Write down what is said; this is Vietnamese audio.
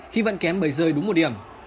khi vẫn kém bầy rơi đúng một điểm